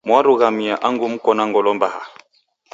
Mwarughamia angu muko na ngolo mbaha